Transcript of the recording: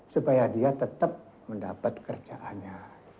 supaya dia tetap mendapat kerjaannya